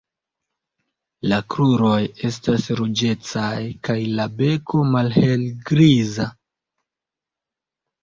La kruroj estas ruĝecaj kaj la beko malhelgriza.